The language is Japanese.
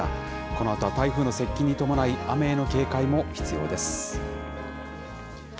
このあとは台風の接近に伴い、雨への警戒も必要です。